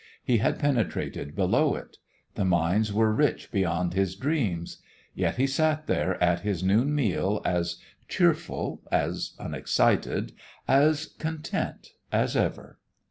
He had penetrated below it. The mines were rich beyond his dreams. Yet he sat there at his noon meal as cheerful, as unexcited, as content as ever.